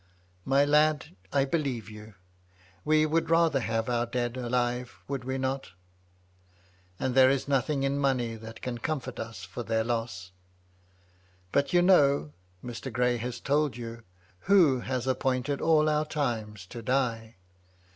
"My lad, I believe you. We would rather have had our dead alive, would we not ? and there is nothing in money that can comfort us for their loss. But you know — Mr. Gray has told you — who has appointed us all our times to die.